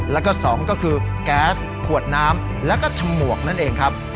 แล้วก็๒ก็คือแก๊สขวดน้ำแล้วก็ฉมวกนั่นเองครับ